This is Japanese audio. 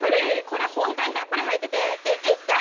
これほんとにたっぷり入ってて。